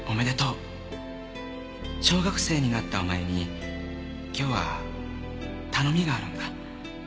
「小学生になったお前に今日は頼みがあるんだ」